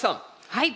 はい。